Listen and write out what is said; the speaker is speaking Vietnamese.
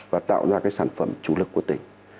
và tạo ra sản phẩm chủ lực của tỉnh